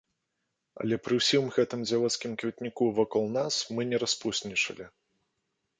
Але пры ўсім гэтым дзявоцкім кветніку вакол нас, мы не распуснічалі.